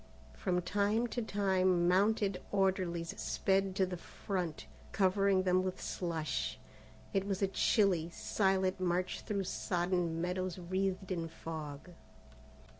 From time to time mounted orderlies sped to the front, covering them with slush. It was a chilly, silent march through sodden meadows wreathed in fog.